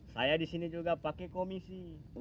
saya di sini juga pakai komisi